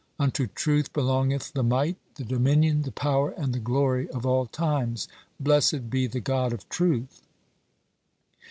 Unto truth belongeth the might, the dominion, the power, and the glory of all times. Blessed be the God of truth."